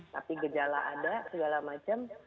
tapi gejala ada segala macam